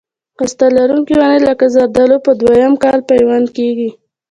هسته لرونکي ونې لکه زردالو په دوه یم کال پیوند کېږي.